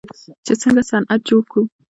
چې څنګه صنعت جوړ کړو.